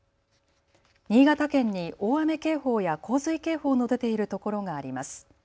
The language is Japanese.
新潟県に大雨警報や洪水警報の出ている所があります。